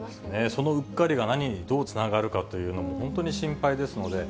そのうっかりが何にどうつながるかというのも、本当に心配ですので。